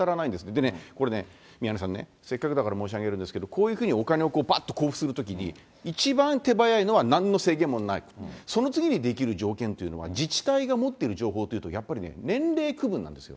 でね、これね、宮根さんね、せっかくだから申し上げるんですけど、こういうふうにお金をばっと交付するときに、一番手早いのはなんの制限もない、その次にできる条件というのは、自治体が持ってる情報というと、やっぱりね、年齢区分なんですよ。